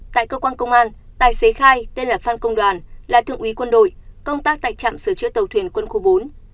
tại cơ quan công an tài xế khai là thượng úy quân đội công tác tại trạm sửa chữa tàu thuyền quân khu bốn